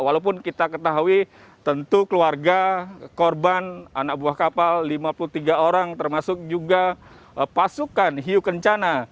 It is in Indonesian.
walaupun kita ketahui tentu keluarga korban anak buah kapal lima puluh tiga orang termasuk juga pasukan hiu kencana